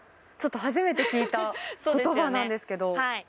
ちょっと初めて聞いたことばなんですけど。